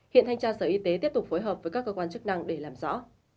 hiện thanh tra sở y tế tiếp tục phối hợp với các cơ quan chức năng để làm rõ